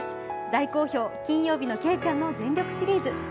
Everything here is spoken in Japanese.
大好評のけいちゃんの全力シリーズ。